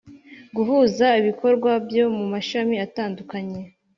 Guhuza ibikorwa byo mu mashami atandukanye